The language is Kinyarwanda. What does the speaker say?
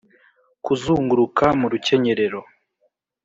kuzunguruka mu rukenyerero,